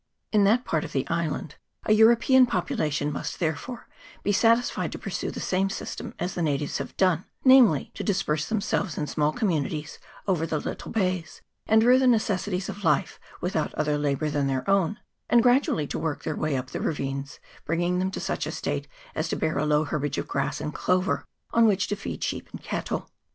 In that part of the island a European population must there fore be satisfied to pursue the same system as the natives have done, namely, to disperse themselves in small communities over those little bays, and rear the necessaries of life, without other labour than their own, and gradually to work their way up the ravines, bringing them to such a state as to bear a low herbage of grass and clover on which to feed sheep and cattle.